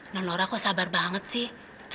non lora kok sabar banget sih